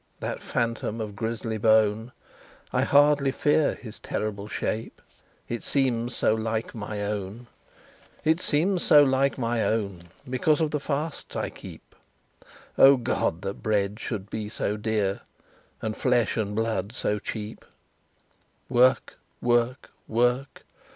That Phantom of grisly bone, I hardly fear his terrible shape, It seems so like my own It seems so like my own, Because of the fasts I keep; Oh, God! that bread should be so dear, And flesh and blood so cheap!" "Work work work!"